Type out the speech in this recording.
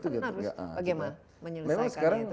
itu kan harus bagaimana menyelesaikan itu